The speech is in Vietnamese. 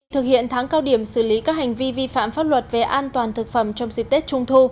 thực hiện tháng cao điểm xử lý các hành vi vi phạm pháp luật về an toàn thực phẩm trong dịp tết trung thu